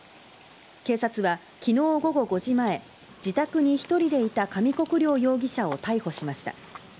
警察は昨日午後５時前自宅に１人でいた上國料容疑者を逮捕しました。